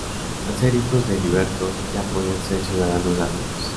Al ser hijos de libertos ya podían ser ciudadanos latinos.